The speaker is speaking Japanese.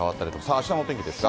あしたのお天気ですが。